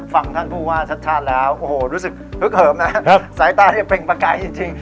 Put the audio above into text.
ฟังท่านผู้ว่าชัดชาติแล้วโอ้โหรู้สึกฮึกเหิมนะสายตาเนี่ยเปล่งประกายจริง